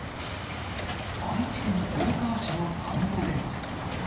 愛知県豊川市の田んぼでも。